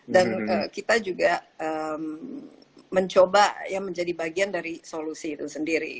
dan kita juga mencoba ya menjadi bagian dari solusi itu sendiri